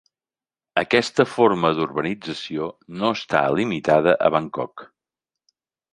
Aquesta forma d'urbanització no està limitada a Bangkok.